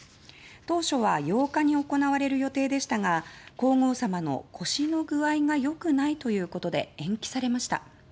当初は８日に行われる予定でしたが皇后さまの腰の具合が良くないということで延期されました。